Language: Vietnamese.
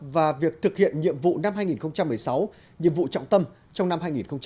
và việc thực hiện nhiệm vụ năm hai nghìn một mươi sáu nhiệm vụ trọng tâm trong năm hai nghìn hai mươi